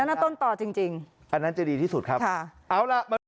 นั่นต้นต่อจริงจริงอันนั้นจะดีที่สุดครับค่ะเอาล่ะมาดู